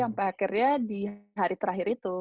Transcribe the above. sampai akhirnya di hari terakhir itu